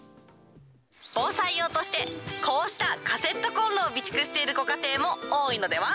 防災用として、こうしたカセットコンロを備蓄しているご家庭も多いのでは？